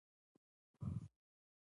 فلانکي په خپلې ټوکې پورې خندل.